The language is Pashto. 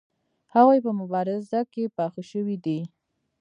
هغوی په مبارزه کې پاخه شوي دي.